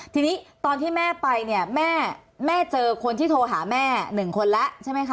ทีนี้ตอนที่แม่ไปเนี่ยแม่เจอคนที่โทรหาแม่หนึ่งคนแล้วใช่ไหมคะ